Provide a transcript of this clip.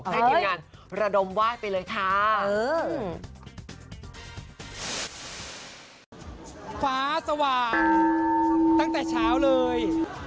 ฟ้าสว่างตั้งแต่เช้าเลย